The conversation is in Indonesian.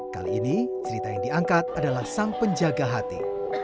kali ini cerita yang diangkat adalah sang penjaga hati